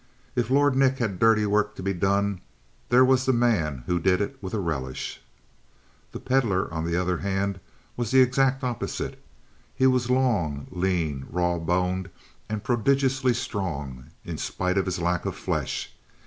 If Lord Nick had dirty work to be done, there was the man who did it with a relish. The Pedlar, on the other hand, was an exact opposite. He was long, lean, raw boned, and prodigiously strong in spite of his lack of flesh.